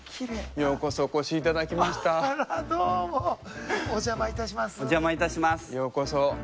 ようこそ。